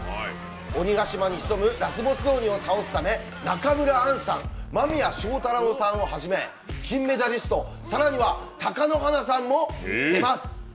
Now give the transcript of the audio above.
鬼ヶ島に潜むラスボス鬼を倒すため中村アンさん、間宮祥太朗さんをはじめ、金メダリスト、更には貴乃花さんも出ます。